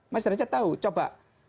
mas derajat tau coba